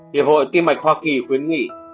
hiệp hội tim mạch hoa kỳ khuyến nghị